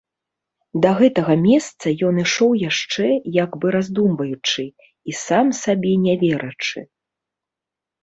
Да гэтага месца ён ішоў яшчэ, як бы раздумваючы і сам сабе не верачы.